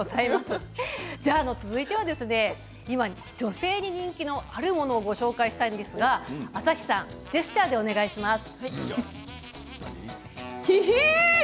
続いては女性に人気のあるものをご紹介したいんですが朝日さんジェスチャーでお願いします。